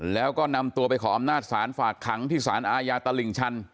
แล้วก็นำตัวไปขออำนาจศาลฝากขังที่สารอาญาตลิ่งชัน